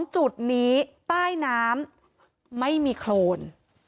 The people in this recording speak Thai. จุดนี้ใต้น้ำไม่มีโครน